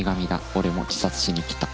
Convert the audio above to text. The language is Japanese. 俺も自殺しに来た。